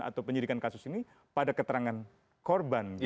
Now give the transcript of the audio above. atau penyidikan kasus ini pada keterangan korban